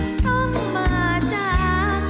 เสียงรัก